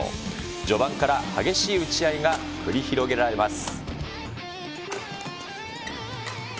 序盤から激しい打ち合いが繰り広げられます。